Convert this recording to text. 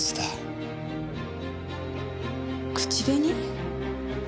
口紅？